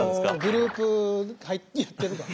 グループやってるから。